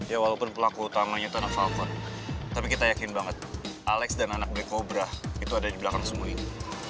ya walaupun pelaku utamanya itu anak falcon tapi kita yakin banget alex dan anak black cobra itu ada di belakang semua ini